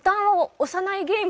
押さないゲーム？